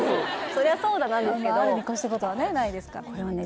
そりゃそうだなんですけどあるに越したことはないですからこれをね